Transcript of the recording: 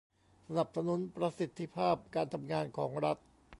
สนับสนุนประสิทธิภาพการทำงานของรัฐ